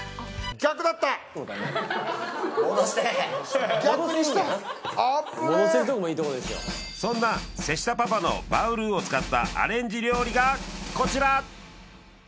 逆にしたあっぶねそんな瀬下パパのバウルーを使ったアレンジ料理がこちら！